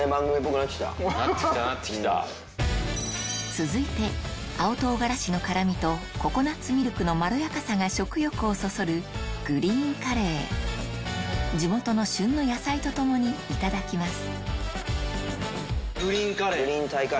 続いて青唐辛子の辛みとココナツミルクのまろやかさが食欲をそそる地元の旬の野菜と共にいただきます